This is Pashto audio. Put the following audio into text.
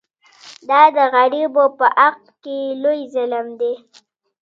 دا د غریبو په حق کې لوی ظلم دی.